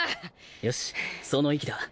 よしその意気だ。